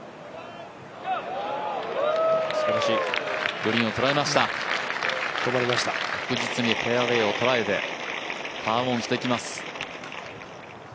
グリーンを捉えました、確実にフェアウエーを捉えてパーオンしてきます。